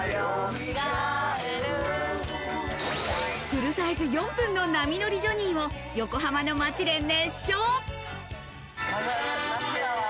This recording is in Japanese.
フルサイズ４分の『波乗りジョニー』を横浜の街で熱唱。